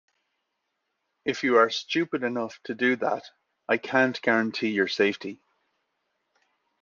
If you are stupid enough to do that, I can't guarantee your safety.